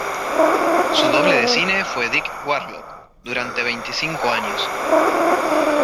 Su doble de cine fue Dick Warlock, durante veinticinco años.